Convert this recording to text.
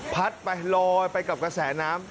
พัดไปลอยไปกับกระแสน้ำ